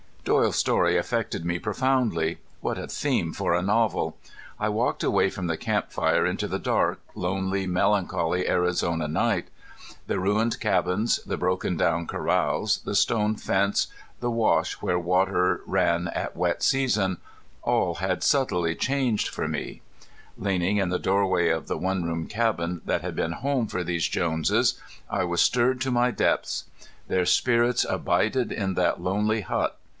Doyle's story affected me profoundly. What a theme for a novel! I walked away from the camp fire into the dark, lonely, melancholy Arizona night. The ruined cabins, the broken down corrals, the stone fence, the wash where water ran at wet season all had subtly changed for me. Leaning in the doorway of the one room cabin that had been home for these Joneses I was stirred to my depths. Their spirits abided in that lonely hut.